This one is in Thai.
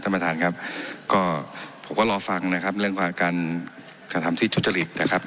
ท่านประธานครับก็ผมก็รอฟังนะครับเรื่องของการกระทำที่ทุจริตนะครับ